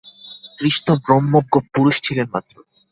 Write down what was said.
কৃষ্ণ ব্রহ্মজ্ঞ পুরুষ ছিলেন মাত্র।